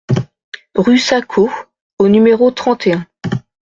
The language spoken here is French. RUE SACO au numéro trente et un